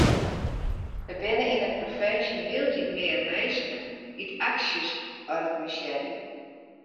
Der binne yn de provinsje hieltyd mear minsken dy't aksjes organisearje.